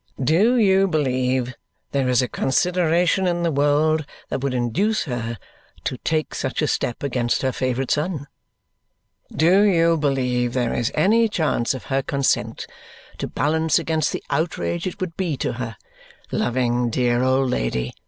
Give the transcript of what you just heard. Do you believe there is a consideration in the world that would induce her to take such a step against her favourite son? Do you believe there is any chance of her consent, to balance against the outrage it would be to her (loving dear old lady!)